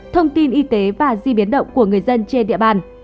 thông tin y tế và di biến động của người dân trên địa bàn